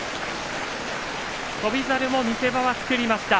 翔猿も見せ場は作りました。